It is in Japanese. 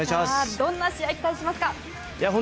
どんな試合を期待しますか？